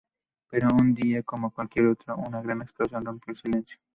Pero un día como cualquier otro, una gran explosión rompió el silencio.